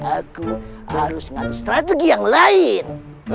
aku harus ngatur strategi yang lain